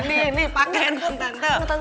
udah nih pake handphone tante